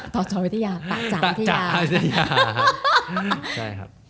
ตจวิทยาตะจาวิทยา